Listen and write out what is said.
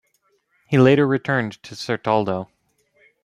He later returned to Certaldo.